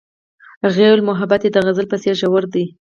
هغې وویل محبت یې د غزل په څېر ژور دی.